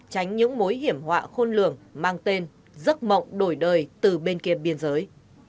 tránh những mối hiểm họa khôn lường mang tên giấc mộng đổi đời từ bên kia biên giới